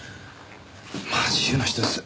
まあ自由な人です。